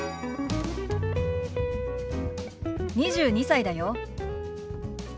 ２２歳だよ。